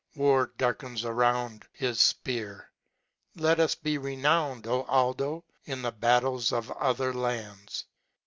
War darkens around his fpear. Let us be renowned, O Aldo, in the battles of other lands